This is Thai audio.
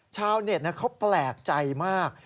ชาวเน็ตเขาแปลกใจมาก